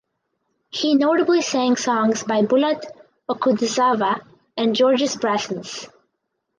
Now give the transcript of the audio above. He notably sang songs by Bulat Okudzhava and Georges Brassens.